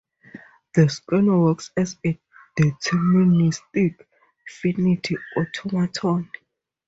The scanner works as a deterministic finite automaton.